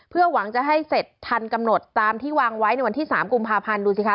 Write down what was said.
เพื่อหวังจะให้เสร็จทันกำหนดตามที่วางไว้ในวันที่๓กุมภาพันธ์ดูสิคะ